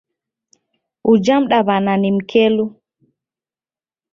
Uja mdaw'ana ni mkelu!